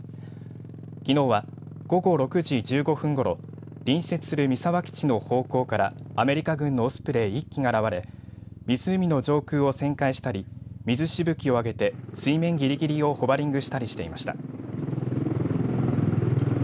きのうは午後６時１５分ごろ隣接する三沢基地の方向からアメリカ軍のオスプレイ１機が現れ湖の上空を旋回したり水しぶきを上げて水面ぎりぎりをホバリングしたりしていました。